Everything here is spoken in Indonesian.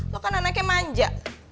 lo kan anaknya manja